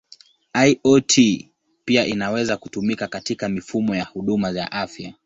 IoT pia inaweza kutumika katika mifumo ya huduma ya afya.